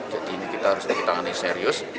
jadi ini kita harus diketahui serius